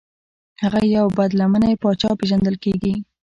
هغه یو بد لمنی پاچا پیژندل کیږي.